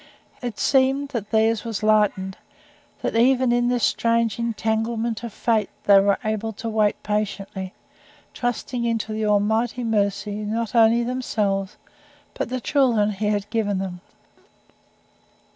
It seemed that theirs was lightened; that even in this strange entanglement of fate they were able to wait patiently trusting unto the Almighty Mercy not only themselves but the children He had given them.